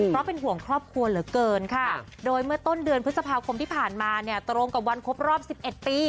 เพราะเป็นห่วงครอบครัวเหลือเกินค่ะโดยเมื่อต้นเดือนพฤษภาคมที่ผ่านมาเนี่ยตรงกับวันครบรอบ๑๑ปี